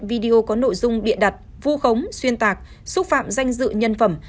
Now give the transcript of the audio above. video có nội dung bịa đặt vu khống xuyên tạc xúc phạm danh dự nhân phẩm